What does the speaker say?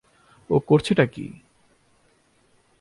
ও করছে টা কি?